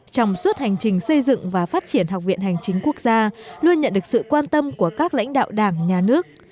trong suốt hành trình xây dựng và phát triển học viện hành chính quốc gia luôn nhận được sự quan tâm của các lãnh đạo đảng nhà nước